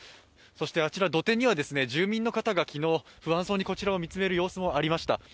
そして、土手には住民の方が不安そうにこちらを見つめる様子もありました。